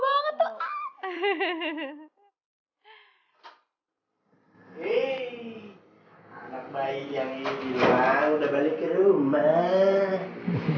hei anak baik yang ini bilang udah balik ke rumah